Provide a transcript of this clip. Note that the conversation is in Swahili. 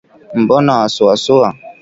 Mbona wasuasua